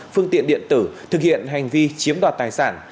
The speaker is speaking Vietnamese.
phương tiện điện tử thực hiện hành vi chiếm đoạt tài sản